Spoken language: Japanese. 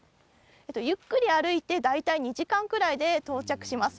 ゆっくり歩いて大体２時間くらいで到着します。